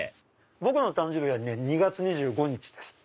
僕の誕生日はね２月２５日です。